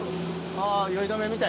あぁ酔い止めみたいな？